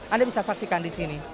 anda bisa saksikan disini